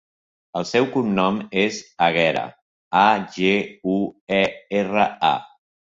El seu cognom és Aguera: a, ge, u, e, erra, a.